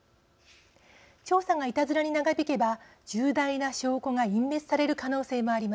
調査がいたずらに長引けば重大な証拠が隠滅される可能性もあります。